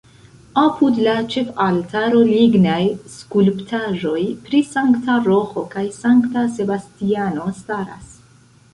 Apud la ĉefaltaro lignaj skulptaĵoj pri Sankta Roĥo kaj Sankta Sebastiano staras.